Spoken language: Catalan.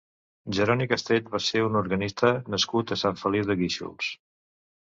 Jeroni Castell va ser un organista nascut a Sant Feliu de Guíxols.